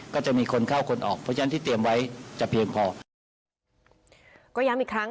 ก็ยังอีกครั้ง